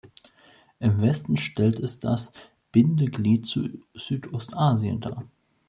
Im Westen stellt es das Bindeglied zu Südostasien dar.